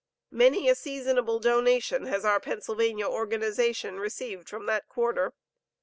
Many a seasonable donation has our Pennsylvania organization received from that quarter.